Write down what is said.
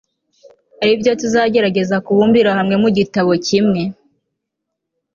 ari byo tuzagerageza kubumbira hamwe mu gitabo kimwe